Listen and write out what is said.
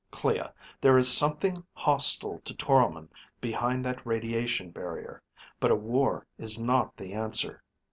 Clea, there is something hostile to Toromon behind that radiation barrier, but a war is not the answer.